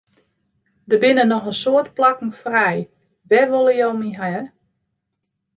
Der binne noch in soad plakken frij, wêr wolle jo my hawwe?